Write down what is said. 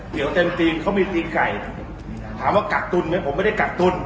เดี๋ยวเต็มตีนเขามีตีนไก่ถามว่ากักตุ้นไหมผมไม่ได้กักตุ้น